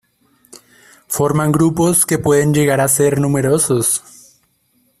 Forman grupos que pueden llegar a ser numerosos.